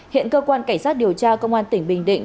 hiện cơ quan cảnh sát điều tra công an tỉnh bình định